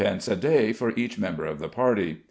a day for each member of the party.